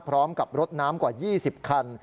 พร้อมกับรถน้ำกว่า๒๐คัน